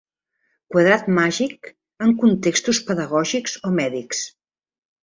Quadrat màgic en contextos pedagògics o mèdics.